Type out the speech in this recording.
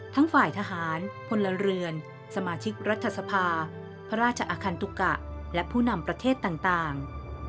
ทั้งฝ่ายทหารพลเรือนสมาชิกรัฐสภาพระราชอคันตุกะและผู้นำประเทศต่าง